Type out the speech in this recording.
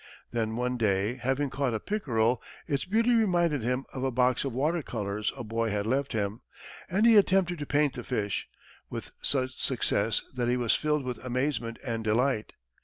Then one day, having caught a pickerel, its beauty reminded him of a box of water colors a boy had left him, and he attempted to paint the fish, with such success that he was filled with amazement and delight.